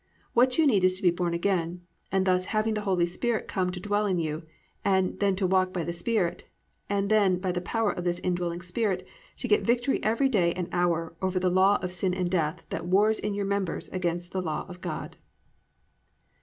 What you need is to be born again, and thus have the Holy Spirit come to dwell in you, and then to walk by the Spirit, and by the power of this indwelling Spirit to get victory every day and hour over the law of sin and death that wars in your members against the law of God.